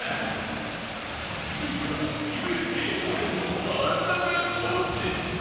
続いては ＵＳＪ 常連の春菜が挑戦